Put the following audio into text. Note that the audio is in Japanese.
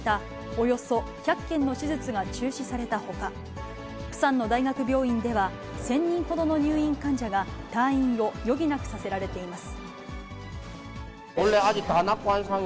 およそ１００件の手術が中止されたほか、プサンの大学病院では、１０００人ほどの入院患者が退院を余儀なくさせられています。